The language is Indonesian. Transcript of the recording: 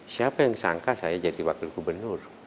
siapa yang sangka saya jadi wakil gubernur